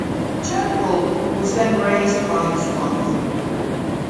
Turnbull was then raised by his father.